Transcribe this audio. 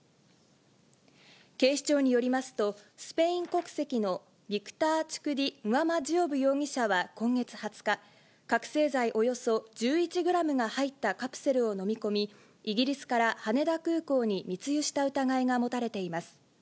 警視庁によりますと、スペイン国籍のビクター・チュクディ・ンワマジオブ容疑者は今月２０日、覚醒剤およそ１１グラムが入ったカプセルを飲み込み、イギリスから羽田空港に密輸した疑いが持たれています。